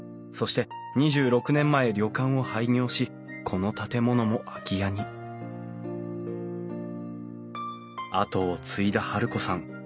そして２６年前旅館を廃業しこの建物も空き家に跡を継いだ治子さん。